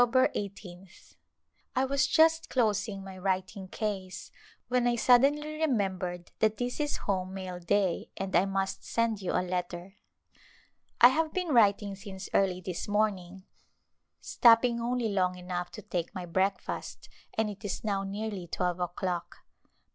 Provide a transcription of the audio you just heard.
1 8th, I was just closing my writing case when I suddenly A Glimpse of India remembered that this is home mail day and I must send you a letter. I have been writing since early this morning — stopping only long enough to take my breakfast — and it is now nearly twelve o'clock.